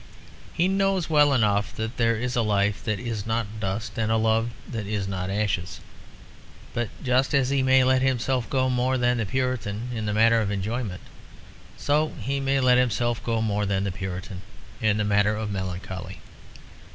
He knows well enough that there is a life that is not dust and a love that is not ashes. But just as he may let himself go more than the Puritan in the matter of enjoyment, so he may let himself go more than the Puritan in the matter of melancholy.